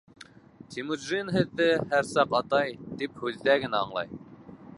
Темучжин һеҙҙе, һәр саҡ атай, тип һүҙҙә генә һанлай.